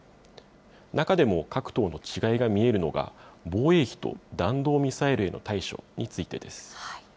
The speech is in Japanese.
中でも各党の違いが見えるのが、防衛費と弾道ミサイルへの対処についてです。